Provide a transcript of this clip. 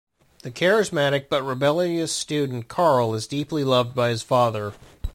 The charismatic but rebellious student Karl is deeply loved by his father.